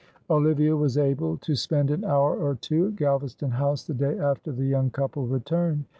Olivia was able to spend an hour or two at Galvaston House the day after the young couple returned.